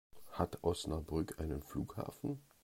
Hat Osnabrück einen Flughafen?